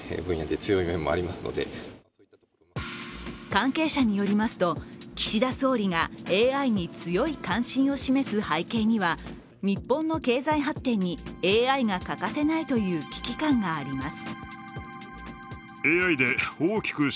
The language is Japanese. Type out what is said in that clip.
関係者によりますと、岸田総理がＡＩに強い関心を示す背景には日本の経済発展にＡＩが欠かせないという危機感があります。